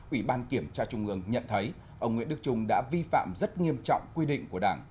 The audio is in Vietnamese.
ủy ban kiểm tra trung ương nhận thấy ông nguyễn đức trung đã vi phạm rất nghiêm trọng quy định của đảng